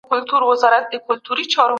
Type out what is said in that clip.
د ټولني او ليکوال واټن بايد لنډ کړای سي.